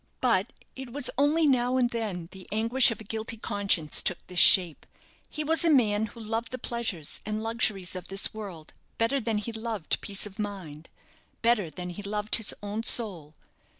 But it was only now and then the anguish of a guilty conscience took this shape. He was a man who loved the pleasures and luxuries of this world better than he loved peace of mind; better than he loved his own soul.